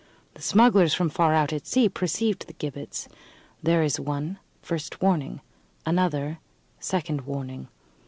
The smugglers from far out at sea perceived the gibbets. There is one, first warning; another, second warning.